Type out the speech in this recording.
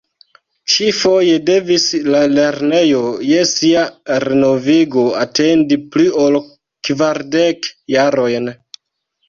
Ĉifoje devis la lernejo je sia renovigo atendi pli ol kvardek jarojn.